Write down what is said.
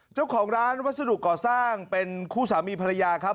เจ้าของร้านวัสดุก่อสร้างเป็นคู่สามีภรรยาครับ